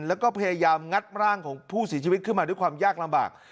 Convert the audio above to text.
แล้วก็พยายามงัดร่างของผู้เสียชีวิตขึ้นมาด้วยความยากลำบาก